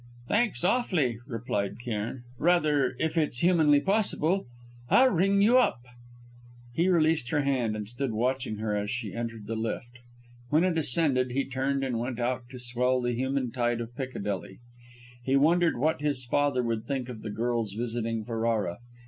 "Thanks awfully," replied Cairn. "Rather if it's humanly possible. I'll ring you up." He released her hand, and stood watching her as she entered the lift. When it ascended, he turned and went out to swell the human tide of Piccadilly. He wondered what his father would think of the girl's visiting Ferrara.